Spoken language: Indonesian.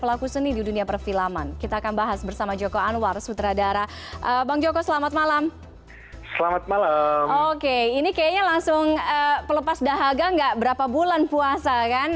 oke ini kayaknya langsung pelepas dahaga gak berapa bulan puasa kan